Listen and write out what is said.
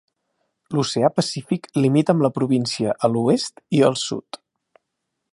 L'oceà Pacífic limita amb la província a l'oest i al sud.